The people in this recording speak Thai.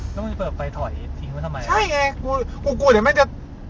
แล้วมันเปิดไฟถอยทิ้งก็ทำไมอ่ะใช่ไงกูกูเดี๋ยวมันจะ